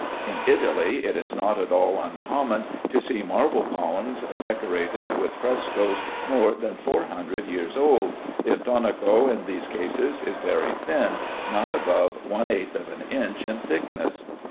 In Italy it is not at all uncommon to see marble columns coated with frescoes more than four hundred years old. The intonaco in these cases is very thin, not above one eighth of an inch in thickness.